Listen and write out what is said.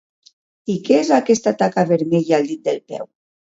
I què és aquesta taca vermella al dit del peu?